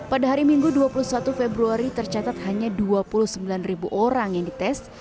pada hari minggu dua puluh satu februari tercatat hanya dua puluh sembilan orang yang dites